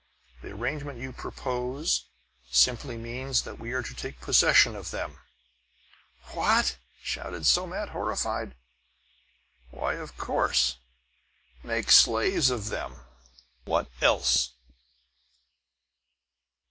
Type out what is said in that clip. The arrangements you propose simply means that we are to take possession of them!" "What!" shouted Somat, horrified. "Why, of course! Make slaves of them! What else?"